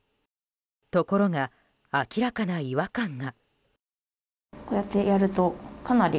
ところが明らかな違和感が。